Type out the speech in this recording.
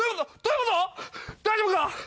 大丈夫か？